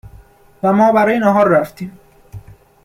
و ما برای ناهار رفتیم